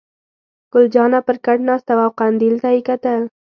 ګل جانه پر کټ ناسته وه او قندیل ته یې کتل.